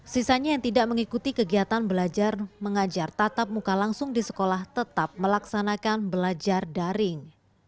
sisanya yang tidak mengikuti kegiatan belajar mengajar tatap muka langsung di sekolah tetap melaksanakan belajar daring